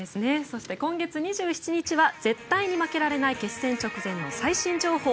そして、今月２７日は絶対に負けられない決戦直前の最新情報